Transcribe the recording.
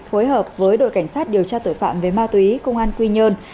phối hợp với đội cảnh sát điều tra tội phạm về ma túy công an quy nhơn